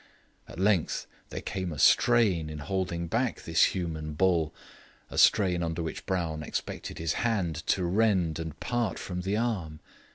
At length there came a strain in holding back this human bull, a strain under which Brown expected his hand to rend and part from the arm.